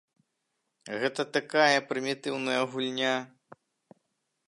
Гэта такая прымітыўная гульня.